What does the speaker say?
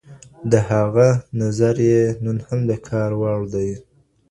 د هغه نظريې نن هم د کار وړ دي.